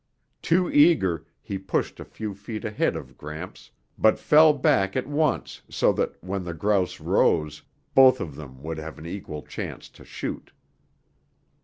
Too eager, he pushed a few feet ahead of Gramps but fell back at once so that, when the grouse rose, both of them would have an equal chance to shoot.